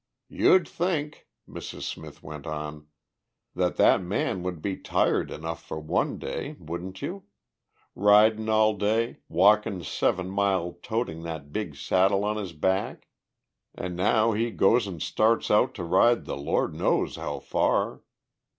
"You'd think," Mrs. Smith went on, "that that man would be tired enough for one day, wouldn't you? Ridin' all day, walking seven mile toting that big saddle on his back; an' now he goes an' starts out to ride the Lord knows how far.